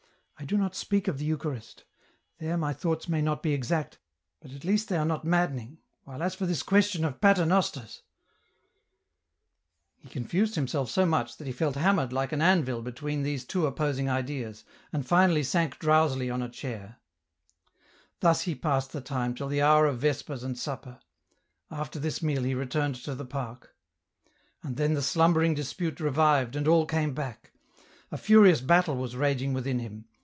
" I do not speak of the Eucharist ; there my thoughts may not be exact, but at least they are not maddening, while as for this question of paternosters !" He confused himself so much that he felt hammered like an anvil between these two opposmg ideas, and finally sank drowsily on a chair. Thus he passed the time till the hour of vespers and supper. After this meal he returned to the park. And then the slumbering dispute revived and all came back. A furious battle was raging within him.